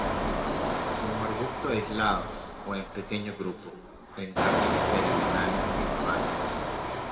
Como arbusto aislado, o en pequeños grupos, en jardines meridionales en España.